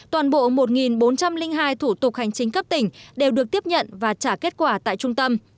toàn bộ một bốn trăm linh hai thủ tục hành chính cấp tỉnh đều được tiếp nhận và trả kết quả tại trung tâm